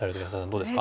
どうですか？